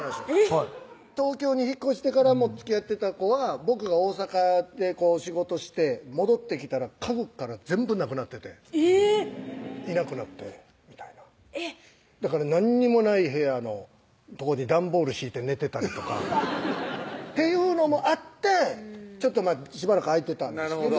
はい東京に引っ越してからもつきあってた子は僕が大阪で仕事して戻ってきたら家具から全部なくなっててえぇっ⁉いなくなってみたいなえっだから何にもない部屋のとこに段ボール敷いて寝てたりとかうわっていうのもあってしばらく空いてたんですけど